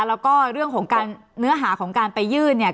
แล้วก็เรื่องของการเนื้อหาของการไปยื่นเนี่ย